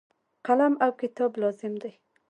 قلم او کتاب لازم دي.